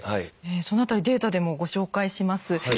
その辺りデータでもご紹介します。